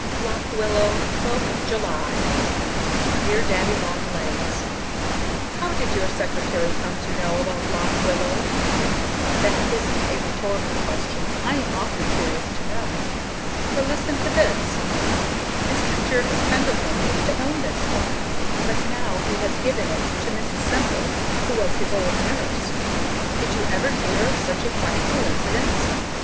LOCK WILLOW, 12th July Dear Daddy Long Legs, How did your secretary come to know about Lock Willow? (That isn't a rhetorical question. I am awfully curious to know.) For listen to this: Mr. Jervis Pendleton used to own this farm, but now he has given it to Mrs. Semple who was his old nurse. Did you ever hear of such a funny coincidence?